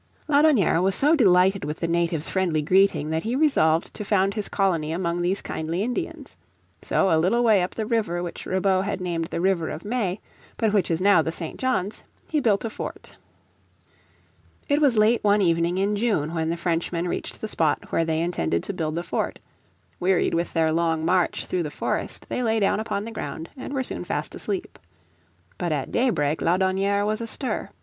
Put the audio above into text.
Laudonnière was so delighted with the natives' friendly greeting that he resolved to found his colony among these kindly Indians. So a little way up the river which Ribaut had named the river of May, but which is now the St. John's, he built a fort. It was late one evening in June when the Frenchmen reached the spot where they intended to build the fort; wearied with their long march through the forest they lay down upon the ground and were soon fast asleep. But at day break Laudonnière was astir.